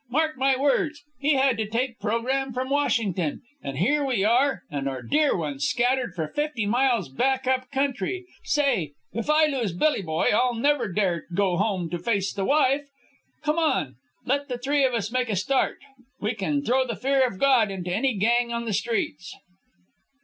Mark my words, he had to take program from Washington. And here we are, and our dear ones scattered for fifty miles back up country.... Say, if I lose Billy Boy I'll never dare go home to face the wife. Come on. Let the three of us make a start. We can throw the fear of God into any gang on the streets."